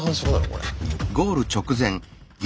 これ。